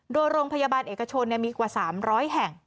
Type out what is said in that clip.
โดยโรงพยาบาลเอกชนมีกว่า๓๐๐แห่ง